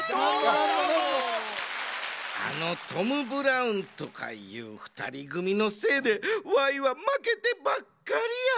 あのトム・ブラウンとかいうふたりぐみのせいでワイはまけてばっかりや。